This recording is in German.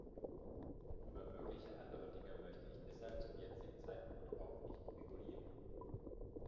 Über mögliche andere Dinge möchte ich deshalb zum jetzigen Zeitpunkt auch nicht spekulieren.